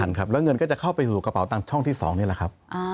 แล้วเงินก็จะเข้าไปสู่กระเป๋าตังช่องที่๒นี่แหละครับ